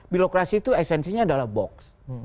birokrasi itu esensinya adalah box